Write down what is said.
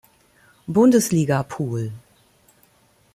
Bundesliga Pool.